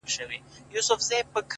هو زه پوهېږمه، خیر دی یو بل چم وکه،